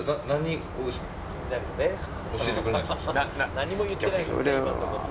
何も言ってないからね。